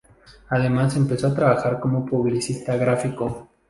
Además, empezó a trabajar como publicista gráfico.